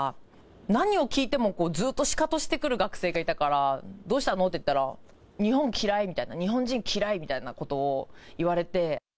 何を聞いてもずっとシカトしてくる学生がいたから、どうしたの？って言ったら、日本嫌いみたいな、日本人嫌いみたいなことを言われて。